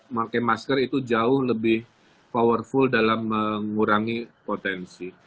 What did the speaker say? pakai masker itu jauh lebih powerful dalam mengurangi potensi